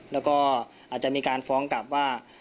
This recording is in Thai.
แล้วก็อาจจะมีการฟ้องกลับว่า